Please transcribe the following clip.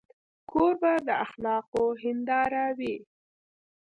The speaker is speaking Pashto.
کوربه د اخلاقو هنداره وي.